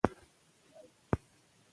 ته ولې نه بيده کيږې؟ ناوخته دي.